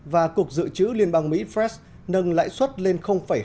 và cuộc dự trữ liên bang mỹ fresh nâng lãi xuất lên hai mươi năm